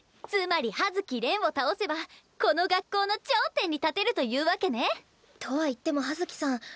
つまり葉月恋を倒せばこの学校の頂点に立てるというわけね。とはいっても葉月さん